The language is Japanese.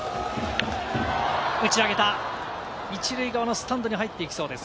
打ち上げた、１塁側のスタンドに入っていきそうです。